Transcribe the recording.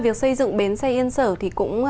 việc xây dựng bến xe yên sở thì cũng